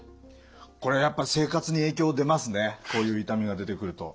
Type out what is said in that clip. これやっぱ生活に影響出ますねこういう痛みが出てくると。